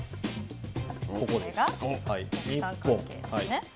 ここです。